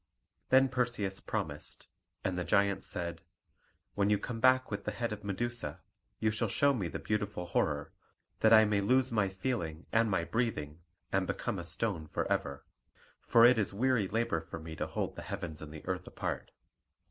Then Perseus promised; and the giant said, "When you come back with the head of Medusa, you shall show me the beautiful horror, that I may lose my feeling and my breathing, and become a stone for ever; for it is weary labour for me to hold the heavens and the earth apart."